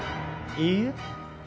いいえ。